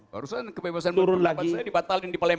barusan kebebasan berpendapat saya dibatalin di palembang